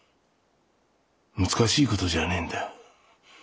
難しい事じゃねえんだ。